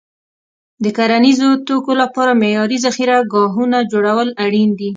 د کرنیزو توکو لپاره معیاري ذخیره ګاهونه جوړول اړین دي.